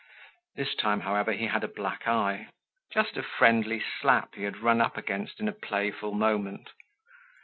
This time, however, he had a black eye, just a friendly slap he had run up against in a playful moment.